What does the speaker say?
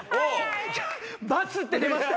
バツって出ました。